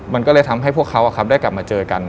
มันก็เลยทำให้พวกเขาได้กลับมาเจอกัน